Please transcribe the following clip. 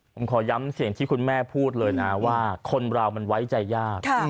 ผมขอย้ำเสียงที่คุณแม่พูดเลยนะว่าคนเรามันไว้ใจยาก